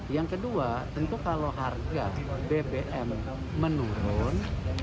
yang kedua tentu kalau harga bbm menurun